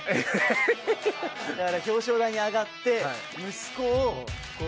だから表彰台に上がって。